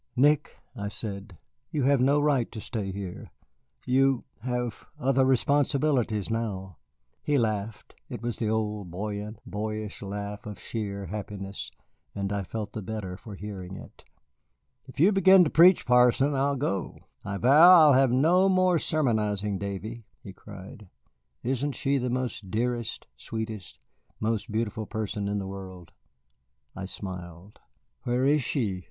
"Nick," I said, "you had no right to stay here. You have other responsibilities now." He laughed. It was the old buoyant, boyish laugh of sheer happiness, and I felt the better for hearing it. "If you begin to preach, parson, I'll go; I vow I'll have no more sermonizing. Davy," he cried, "isn't she just the dearest, sweetest, most beautiful person in the world?" I smiled. "Where is she?"